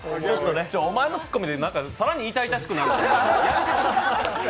違う、お前のツッコミで、更に痛々しくなる。